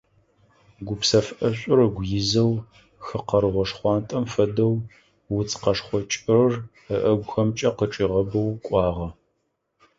Гупсэф ӀэшӀур ыгу изэу, хы къэргъо шхъуантӀэм фэдэу, уц къэшхъо кӀырыр ыӀэгухэмкӀэ къычӀигъэбэу кӀуагъэ.